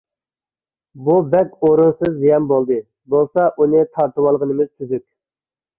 بۇ بەك ئورۇنسىز زىيان بولدى. بولسا، ئۇنى تارتىۋالغىنىمىز تۈزۈك،